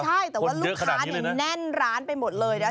ใช่แต่ว่าลูกค้าแน่นร้านไปหมดเลยนะ